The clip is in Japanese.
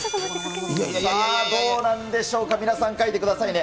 さあどうなんでしょうか、皆さん、書いてくださいね。